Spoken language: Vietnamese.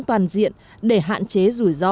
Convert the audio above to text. toàn diện để hạn chế rủi ro